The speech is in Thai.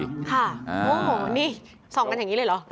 วันนี้ทร่องเป็นอย่างนี้เลยเหรอ